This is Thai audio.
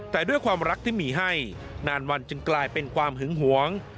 แต่ด้วยความรักที่มีให้นานวันจึงกลายเป็นความหึงหวง